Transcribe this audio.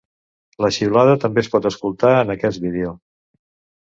La xiulada també es pot escoltar en aquest vídeo.